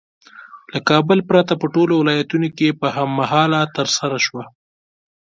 له کابل پرته په ټولو ولایتونو کې په هم مهاله ترسره شوه.